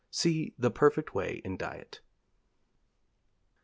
(see The Perfect Way in Diet.)